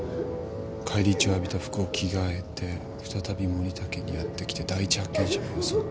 返り血を浴びた服を着替えて再び森田家にやって来て第一発見者を装った。